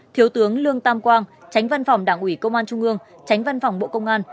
thiếu tướng lương tam quang tránh văn phòng đảng ủy công an trung ương tránh văn phòng bộ công an